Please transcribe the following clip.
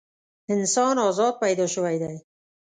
انسان ازاد پیدا شوی دی.